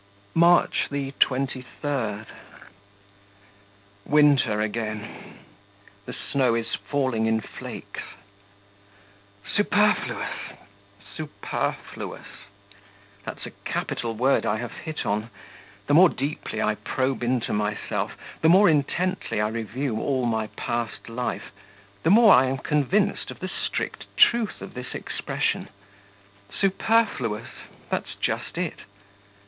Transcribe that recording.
March 23. Winter again. The snow is falling in flakes. Superfluous, superfluous.... That's a capital word I have hit on. The more deeply I probe into myself, the more intently I review all my past life, the more I am convinced of the strict truth of this expression. Superfluous that's just it.